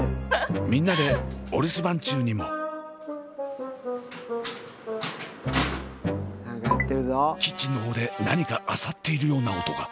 みんなでキッチンの方で何かあさっているような音が。